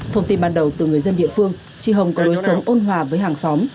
thông tin ban đầu từ người dân địa phương tri hồng có đối xóm ôn hòa với hàng xóm